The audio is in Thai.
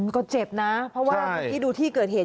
ก็เจ็บนะเพราะว่าที่ดูที่เกิดเหตุ